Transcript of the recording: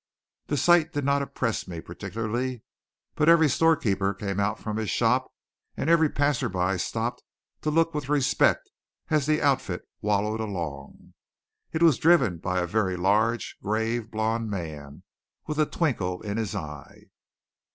The sight did not impress me particularly; but every storekeeper came out from his shop and every passerby stopped to look with respect as the outfit wallowed along. It was driven by a very large, grave, blond man with a twinkle in his eye.